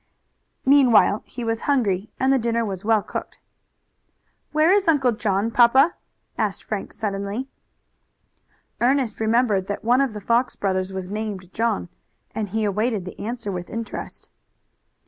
Meanwhile he was hungry and the dinner was well cooked. "Where is Uncle John, papa?" asked Frank suddenly. Ernest remembered that one of the Fox brothers was named John, and he awaited the answer with interest.